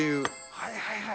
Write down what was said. はいはいはい。